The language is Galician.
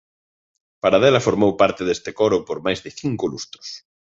Paradela formou parte deste coro por máis de cinco lustros.